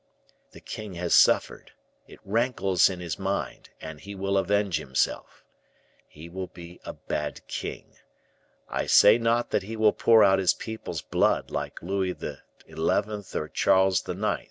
The king has suffered; it rankles in his mind; and he will avenge himself. He will be a bad king. I say not that he will pour out his people's blood, like Louis XI., or Charles IX.